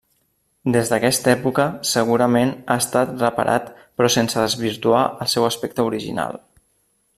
Des d'aquesta època segurament ha estat reparat però sense desvirtuar el seu aspecte original.